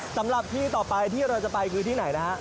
สำหรับที่ต่อไปที่เราจะไปคือที่ไหนนะฮะ